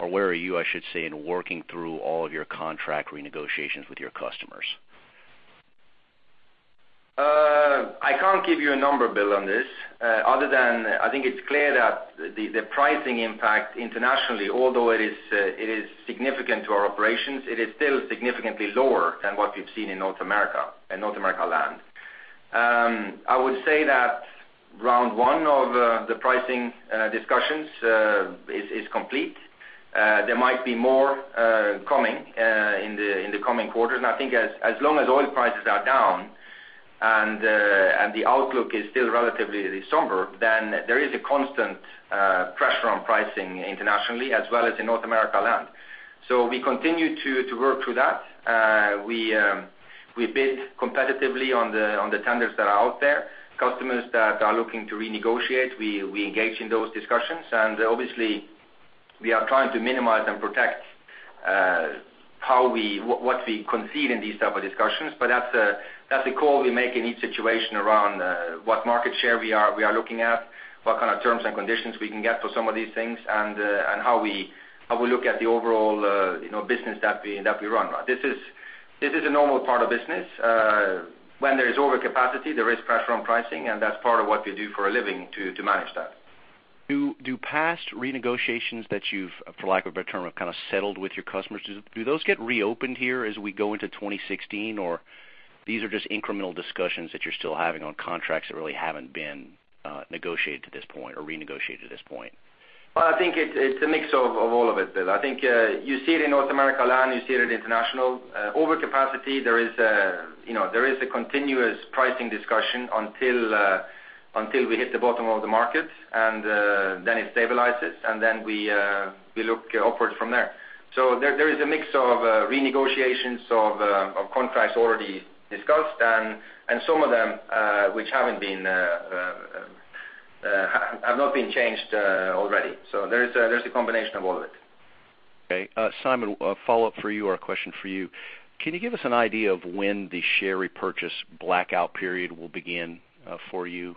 or where are you, I should say, in working through all of your contract renegotiations with your customers? I can't give you a number, Bill, on this. I think it's clear that the pricing impact internationally, although it is significant to our operations, it is still significantly lower than what we've seen in North America and North America land. I would say that round one of the pricing discussions is complete. There might be more coming in the coming quarters. I think as long as oil prices are down and the outlook is still relatively somber, then there is a constant pressure on pricing internationally as well as in North America land. We continue to work through that. We bid competitively on the tenders that are out there. Customers that are looking to renegotiate, we engage in those discussions. Obviously, we are trying to minimize and protect what we concede in these type of discussions. That's a call we make in each situation around what market share we are looking at, what kind of terms and conditions we can get for some of these things, and how we look at the overall business that we run. This is a normal part of business. When there is overcapacity, there is pressure on pricing, that's part of what we do for a living to manage that. Do past renegotiations that you've, for lack of a better term, have kind of settled with your customers, do those get reopened here as we go into 2016? Or these are just incremental discussions that you're still having on contracts that really haven't been negotiated to this point or renegotiated to this point? Well, I think it's a mix of all of it, Bill. I think you see it in North America land, you see it in international. Overcapacity, there is a continuous pricing discussion until we hit the bottom of the market, and then it stabilizes, and then we look upward from there. There is a mix of renegotiations of contracts already discussed and some of them which have not been changed already. There's a combination of all of it. Okay. Simon, a follow-up for you or a question for you. Can you give us an idea of when the share repurchase blackout period will begin for you?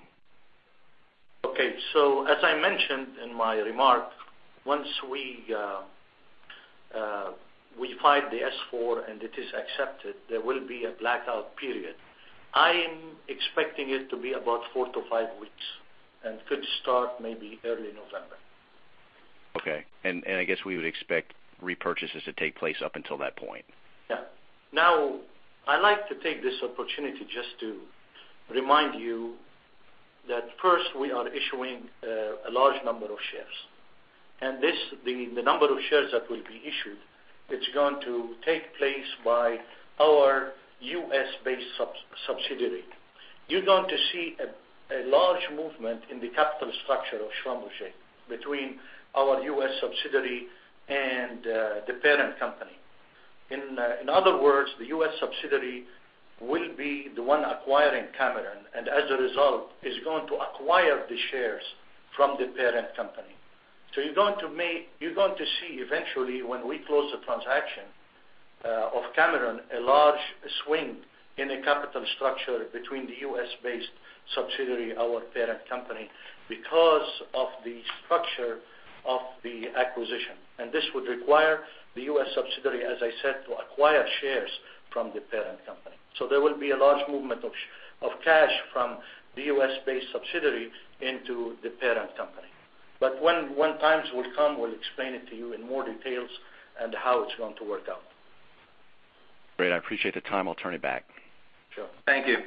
As I mentioned in my remark, once we file the S-4 and it is accepted, there will be a blackout period. I am expecting it to be about four to five weeks, and could start maybe early November. Okay. I guess we would expect repurchases to take place up until that point. Yeah. Now, I'd like to take this opportunity just to remind you that first we are issuing a large number of shares. The number of shares that will be issued, it's going to take place by our U.S.-based subsidiary. You're going to see a large movement in the capital structure of Schlumberger between our U.S. subsidiary and the parent company. In other words, the U.S. subsidiary will be the one acquiring Cameron, and as a result, is going to acquire the shares from the parent company. You're going to see eventually, when we close the transaction of Cameron, a large swing in the capital structure between the U.S.-based subsidiary, our parent company, because of the structure of the acquisition. This would require the U.S. subsidiary, as I said, to acquire shares from the parent company. There will be a large movement of cash from the U.S.-based subsidiary into the parent company. When times will come, we'll explain it to you in more details and how it's going to work out. Great. I appreciate the time. I'll turn it back. Sure. Thank you.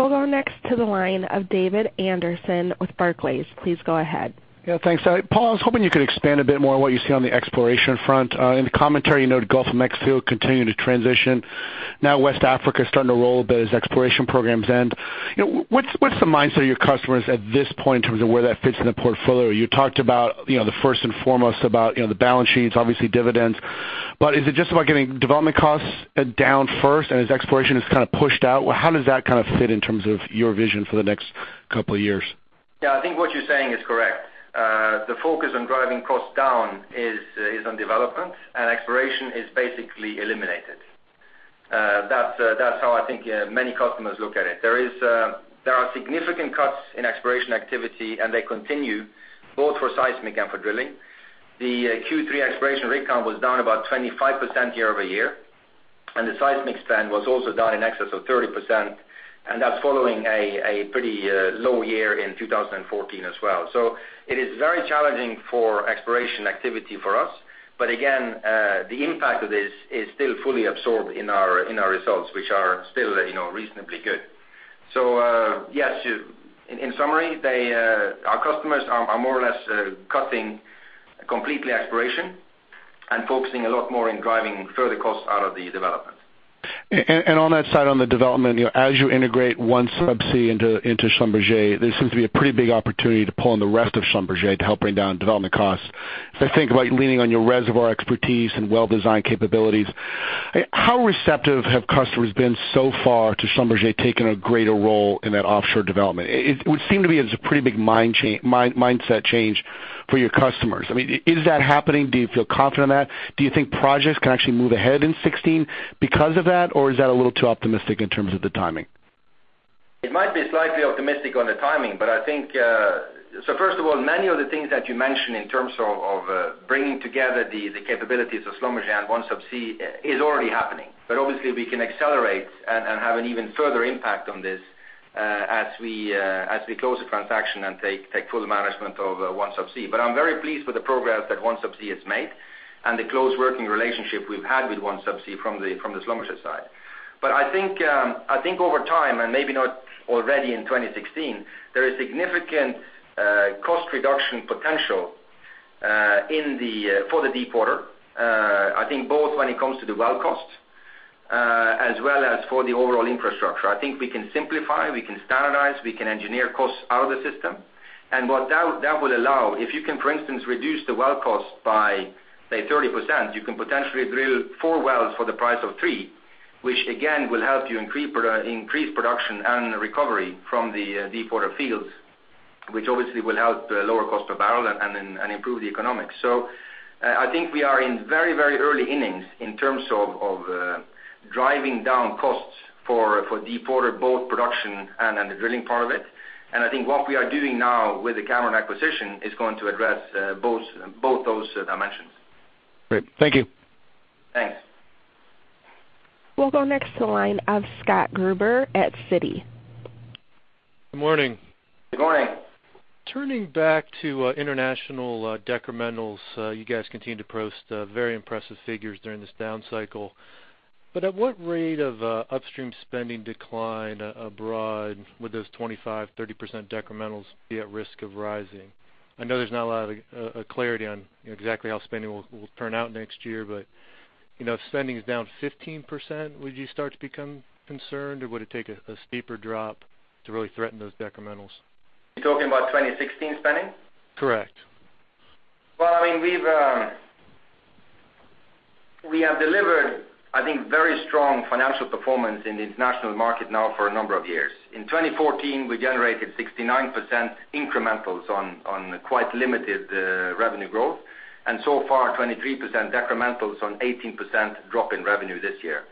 We'll go next to the line of David Anderson with Barclays. Please go ahead. Thanks. Paal, I was hoping you could expand a bit more on what you see on the exploration front. In the commentary, you note Gulf of Mexico continuing to transition. West Africa is starting to roll a bit as exploration programs end. What's the mindset of your customers at this point in terms of where that fits in the portfolio? You talked about the first and foremost about the balance sheets, obviously dividends. Is it just about getting development costs down first and as exploration is kind of pushed out? How does that kind of fit in terms of your vision for the next couple of years? I think what you're saying is correct. The focus on driving costs down is on development, and exploration is basically eliminated. That's how I think many customers look at it. There are significant cuts in exploration activity, and they continue both for seismic and for drilling. The Q3 exploration rig count was down about 25% year-over-year, and the seismic spend was also down in excess of 30%, and that's following a pretty low year in 2014 as well. It is very challenging for exploration activity for us. Again, the impact of this is still fully absorbed in our results, which are still reasonably good. Yes, in summary, our customers are more or less cutting completely exploration. Focusing a lot more in driving further costs out of the development. On that side, on the development, as you integrate OneSubsea into Schlumberger, there seems to be a pretty big opportunity to pull in the rest of Schlumberger to help bring down development costs. If I think about leaning on your reservoir expertise and well design capabilities, how receptive have customers been so far to Schlumberger taking a greater role in that offshore development? It would seem to be it's a pretty big mindset change for your customers. Is that happening? Do you feel confident in that? Do you think projects can actually move ahead in 2016 because of that, or is that a little too optimistic in terms of the timing? It might be slightly optimistic on the timing. First of all, many of the things that you mentioned in terms of bringing together the capabilities of Schlumberger and OneSubsea is already happening. Obviously we can accelerate and have an even further impact on this as we close the transaction and take full management of OneSubsea. I'm very pleased with the progress that OneSubsea has made and the close working relationship we've had with OneSubsea from the Schlumberger side. I think over time, and maybe not already in 2016, there is significant cost reduction potential for the deepwater. I think both when it comes to the well cost, as well as for the overall infrastructure. I think we can simplify, we can standardize, we can engineer costs out of the system. What that will allow, if you can, for instance, reduce the well cost by, say, 30%, you can potentially drill four wells for the price of three, which again, will help you increase production and recovery from the deepwater fields, which obviously will help lower cost of barrel and improve the economics. I think we are in very early innings in terms of driving down costs for deepwater, both production and the drilling part of it. I think what we are doing now with the Cameron acquisition is going to address both those dimensions. Great. Thank you. Thanks. We'll go next to the line of Scott Gruber at Citi. Good morning. Good morning. At what rate of upstream spending decline abroad would those 25%-30% decrementals be at risk of rising? I know there's not a lot of clarity on exactly how spending will turn out next year, but if spending is down 15%, would you start to become concerned, or would it take a steeper drop to really threaten those decrementals? You're talking about 2016 spending? Correct. Well, we have delivered, I think, very strong financial performance in the international market now for a number of years. In 2014, we generated 69% incrementals on quite limited revenue growth, and so far, 23% decrementals on 18% drop in revenue this year.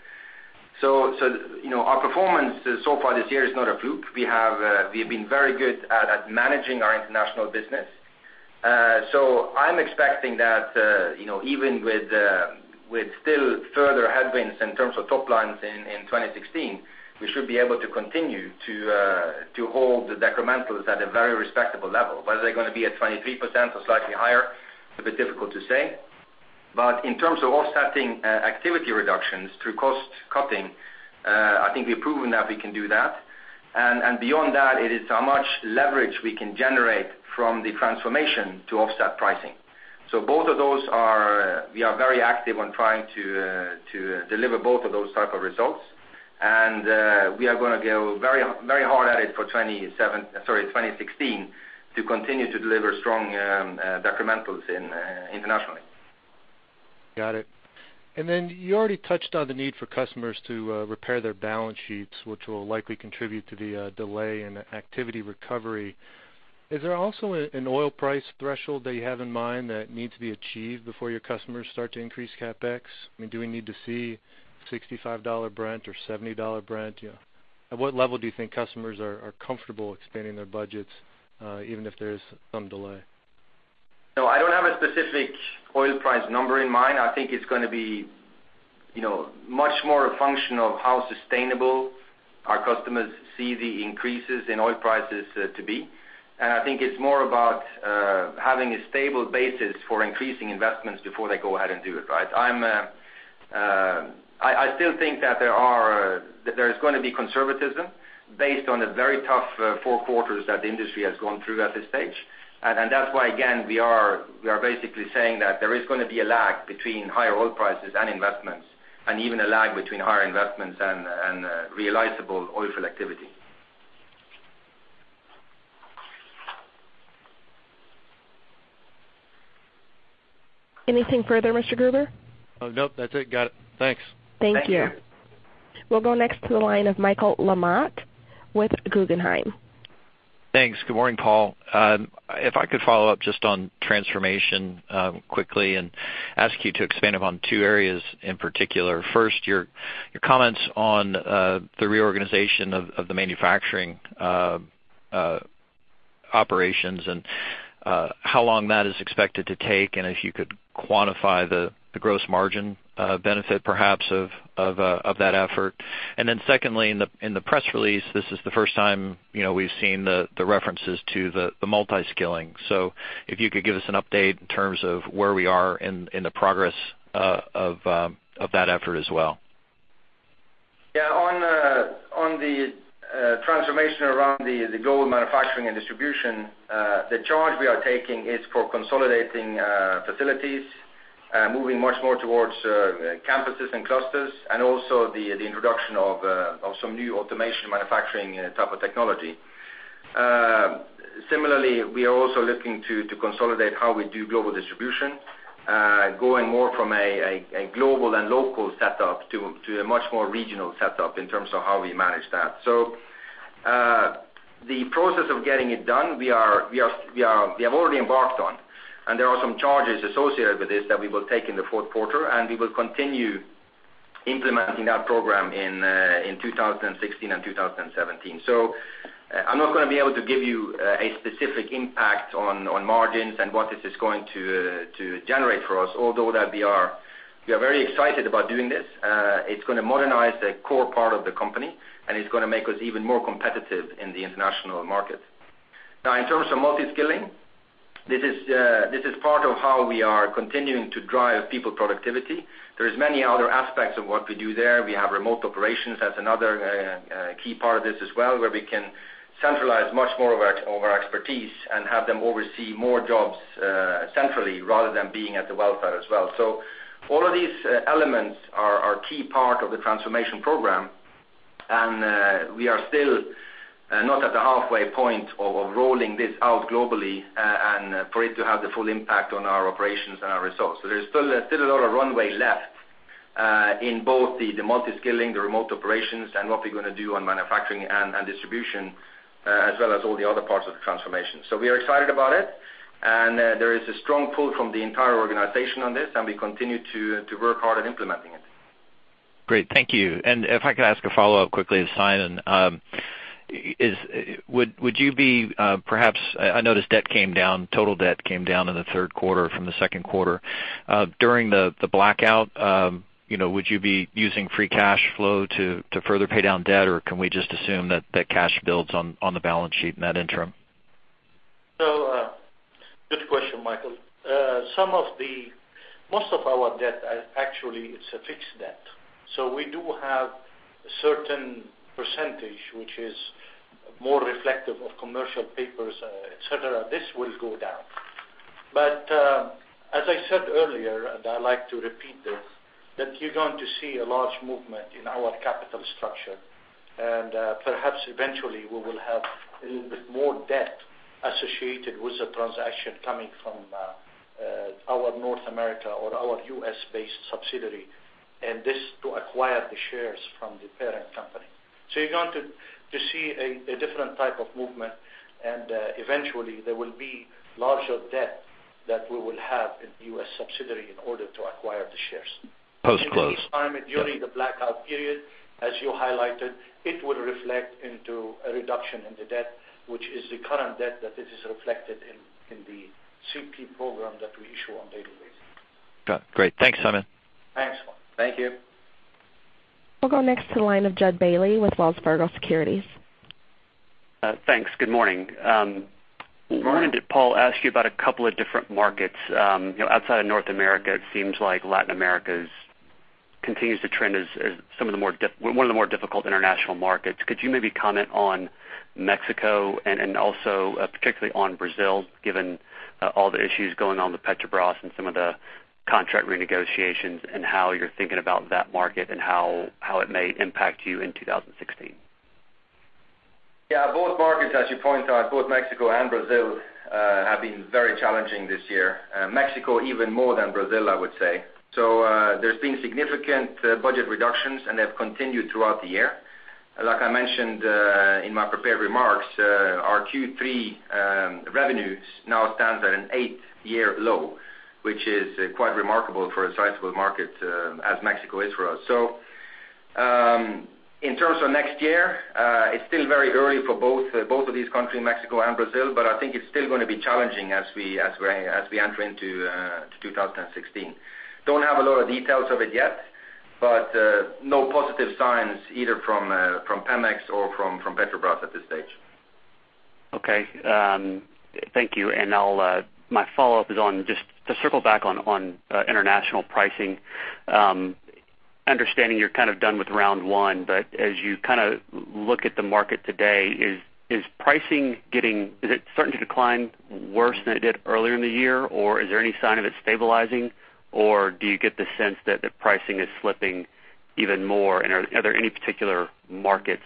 Our performance so far this year is not a fluke. We have been very good at managing our international business. I'm expecting that even with still further headwinds in terms of top lines in 2016, we should be able to continue to hold the decrementals at a very respectable level. Whether they're going to be at 23% or slightly higher, a bit difficult to say. In terms of offsetting activity reductions through cost cutting, I think we've proven that we can do that. Beyond that, it is how much leverage we can generate from the transformation to offset pricing. Both of those are we are very active on trying to deliver both of those type of results. We are going to go very hard at it for 2016 to continue to deliver strong decrementals internationally. Got it. You already touched on the need for customers to repair their balance sheets, which will likely contribute to the delay in activity recovery. Is there also an oil price threshold that you have in mind that needs to be achieved before your customers start to increase CapEx? Do we need to see $65 Brent or $70 Brent? At what level do you think customers are comfortable expanding their budgets even if there is some delay? No, I don't have a specific oil price number in mind. I think it's going to be much more a function of how sustainable our customers see the increases in oil prices to be. I think it's more about having a stable basis for increasing investments before they go ahead and do it, right? I still think that there's going to be conservatism based on the very tough four quarters that the industry has gone through at this stage. That's why, again, we are basically saying that there is going to be a lag between higher oil prices and investments, and even a lag between higher investments and realizable oil field activity. Anything further, Mr. Gruber? No, that's it. Got it. Thanks. Thank you. Thank you. We'll go next to the line of Michael LaMotte with Guggenheim. Thanks. Good morning, Paal. If I could follow up just on transformation quickly and ask you to expand upon two areas in particular. First, your comments on the reorganization of the manufacturing operations, and how long that is expected to take, and if you could quantify the gross margin benefit, perhaps, of that effort. Secondly, in the press release, this is the first time we've seen the references to the multi-skilling. If you could give us an update in terms of where we are in the progress of that effort as well. Yeah. On the transformation around the global manufacturing and distribution, the charge we are taking is for consolidating facilities, moving much more towards campuses and clusters, and also the introduction of some new automation manufacturing type of technology. Similarly, we are also looking to consolidate how we do global distribution. Going more from a global and local setup to a much more regional setup in terms of how we manage that. The process of getting it done, we have already embarked on, and there are some charges associated with this that we will take in the fourth quarter, and we will continue implementing that program in 2016 and 2017. I'm not going to be able to give you a specific impact on margins and what this is going to generate for us, although that we are very excited about doing this. It's going to modernize the core part of the company, and it's going to make us even more competitive in the international market. Now, in terms of multi-skilling, this is part of how we are continuing to drive people productivity. There is many other aspects of what we do there. We have remote operations. That's another key part of this as well, where we can centralize much more of our expertise and have them oversee more jobs centrally rather than being at the wellhead as well. All of these elements are a key part of the transformation program, and we are still not at the halfway point of rolling this out globally and for it to have the full impact on our operations and our results. There's still a lot of runway left in both the multi-skilling, the remote operations, and what we're going to do on manufacturing and distribution, as well as all the other parts of the transformation. We are excited about it, and there is a strong pull from the entire organization on this, and we continue to work hard at implementing it. Great. Thank you. If I could ask a follow-up quickly to Simon. I noticed debt came down, total debt came down in the third quarter from the second quarter. During the blackout, would you be using free cash flow to further pay down debt, or can we just assume that that cash builds on the balance sheet in that interim? Good question, Michael. Most of our debt actually is a fixed debt. We do have a certain percentage, which is more reflective of commercial papers, et cetera. This will go down. As I said earlier, and I like to repeat this, that you're going to see a large movement in our capital structure, and perhaps eventually we will have a little bit more debt associated with the transaction coming from our North America or our U.S.-based subsidiary, and this to acquire the shares from the parent company. You're going to see a different type of movement, and eventually there will be larger debt that we will have in the U.S. subsidiary in order to acquire the shares. Post-close. In the meantime, during the blackout period, as you highlighted, it would reflect into a reduction in the debt, which is the current debt that this is reflected in the CP program that we issue on a daily basis. Got it. Great. Thanks, Simon. Thanks. Thank you. We'll go next to the line of Jud Bailey with Wells Fargo Securities. Thanks. Good morning. Good morning. I wanted to, Paal, ask you about a couple of different markets. Outside of North America, it seems like Latin America continues to trend as one of the more difficult international markets. Could you maybe comment on Mexico and also particularly on Brazil, given all the issues going on with Petrobras and some of the contract renegotiations, and how you're thinking about that market and how it may impact you in 2016? Yeah, both markets, as you point out, both Mexico and Brazil, have been very challenging this year. Mexico even more than Brazil, I would say. There's been significant budget reductions, and they've continued throughout the year. Like I mentioned in my prepared remarks, our Q3 revenues now stands at an eight-year low, which is quite remarkable for a sizable market as Mexico is for us. In terms of next year, it's still very early for both of these countries, Mexico and Brazil. I think it's still going to be challenging as we enter into 2016. Don't have a lot of details of it yet, but no positive signs either from Pemex or from Petrobras at this stage. Okay. Thank you. My follow-up is on just to circle back on international pricing. Understanding you're done with round one, as you look at the market today, is it starting to decline worse than it did earlier in the year, or is there any sign of it stabilizing, or do you get the sense that the pricing is slipping even more? Are there any particular markets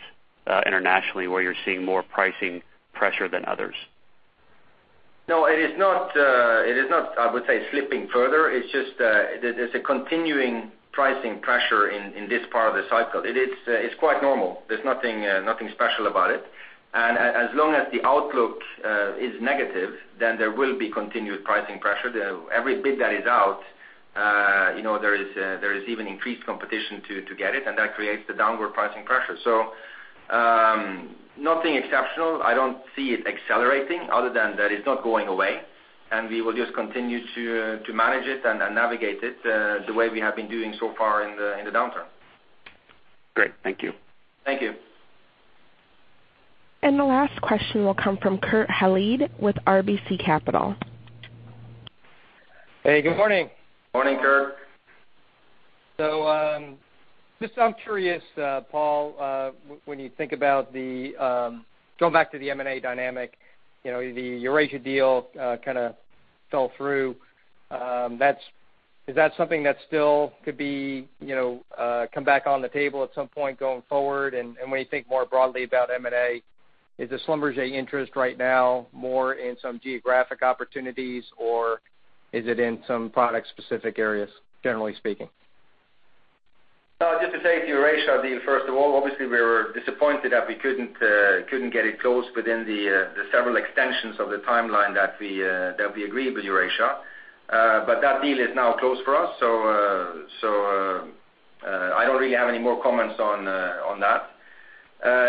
internationally where you're seeing more pricing pressure than others? No, it is not I would say slipping further. It's a continuing pricing pressure in this part of the cycle. It's quite normal. There's nothing special about it. As long as the outlook is negative, then there will be continued pricing pressure. Every bid that is out there is even increased competition to get it, and that creates the downward pricing pressure. Nothing exceptional. I don't see it accelerating other than that it's not going away, and we will just continue to manage it and navigate it the way we have been doing so far in the downturn. Great. Thank you. Thank you. The last question will come from Kurt Hallead with RBC Capital Markets. Hey, good morning. Morning, Kurt. Just I'm curious, Paal, when you think about the, going back to the M&A dynamic, the Eurasia deal kinda fell through. Is that something that still could come back on the table at some point going forward? When you think more broadly about M&A, is the Schlumberger interest right now more in some geographic opportunities, or is it in some product-specific areas, generally speaking? Just to say the Eurasia deal, first of all, obviously we were disappointed that we couldn't get it closed within the several extensions of the timeline that we agreed with Eurasia. That deal is now closed for us, I don't really have any more comments on that.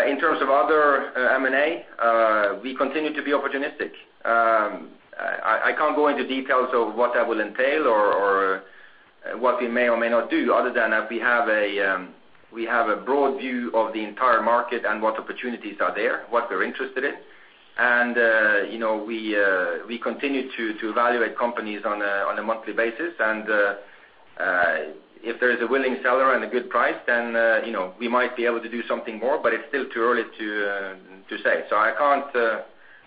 In terms of other M&A, we continue to be opportunistic. I can't go into details of what that will entail or what we may or may not do other than that we have a broad view of the entire market and what opportunities are there, what we're interested in. We continue to evaluate companies on a monthly basis. If there's a willing seller and a good price, we might be able to do something more, it's still too early to say.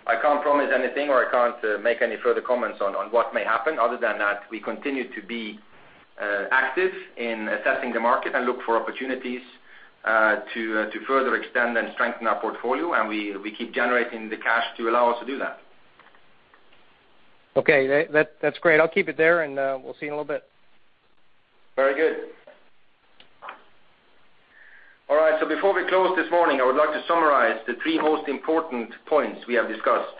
I can't promise anything, I can't make any further comments on what may happen other than that we continue to be active in assessing the market and look for opportunities to further extend and strengthen our portfolio. We keep generating the cash to allow us to do that. Okay. That's great. I'll keep it there, we'll see you in a little bit. Very good. Before we close this morning, I would like to summarize the three most important points we have discussed.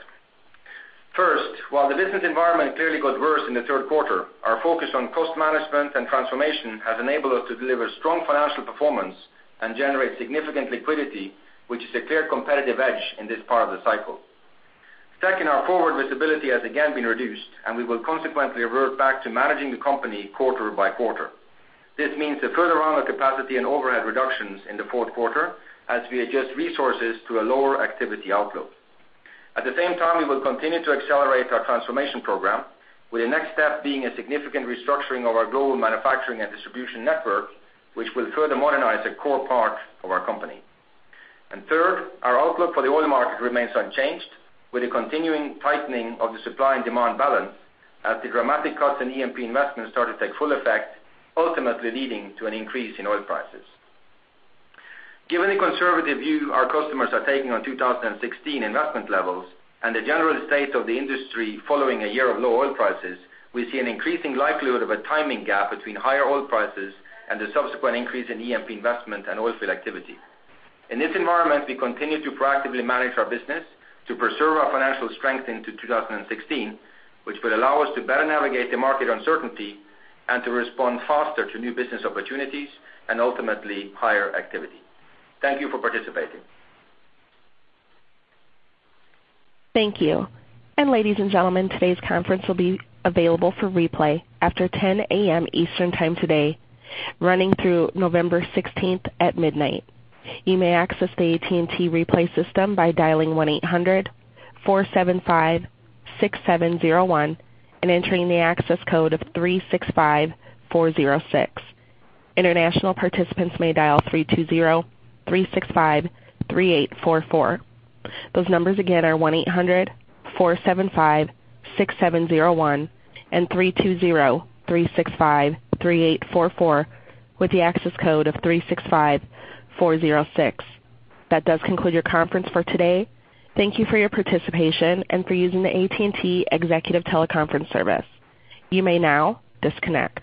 First, while the business environment clearly got worse in the third quarter, our focus on cost management and transformation has enabled us to deliver strong financial performance and generate significant liquidity, which is a clear competitive edge in this part of the cycle. Second, our forward visibility has again been reduced, we will consequently revert back to managing the company quarter by quarter. This means a further round of capacity and overhead reductions in the fourth quarter as we adjust resources to a lower activity outlook. At the same time, we will continue to accelerate our transformation program, with the next step being a significant restructuring of our global manufacturing and distribution network, which will further modernize a core part of our company. Third, our outlook for the oil market remains unchanged, with a continuing tightening of the supply and demand balance as the dramatic cuts in E&P investments start to take full effect, ultimately leading to an increase in oil prices. Given the conservative view our customers are taking on 2016 investment levels and the general state of the industry following a year of low oil prices, we see an increasing likelihood of a timing gap between higher oil prices and the subsequent increase in E&P investment and oilfield activity. In this environment, we continue to proactively manage our business to preserve our financial strength into 2016, which will allow us to better navigate the market uncertainty and to respond faster to new business opportunities and ultimately higher activity. Thank you for participating. Thank you. Ladies and gentlemen, today's conference will be available for replay after 10:00 A.M. Eastern Time today, running through November 16th at midnight. You may access the AT&T replay system by dialing 1-800-475-6701 and entering the access code of 365406. International participants may dial 320-365-3844. Those numbers again are 1-800-475-6701 and 320-365-3844 with the access code of 365406. That does conclude your conference for today. Thank you for your participation and for using the AT&T Executive Teleconference service. You may now disconnect.